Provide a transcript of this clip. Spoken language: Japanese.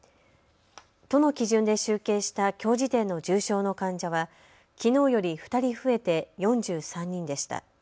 都の基準で集計したきょう時点の重症の患者はきのうより２人増えて４３人でした。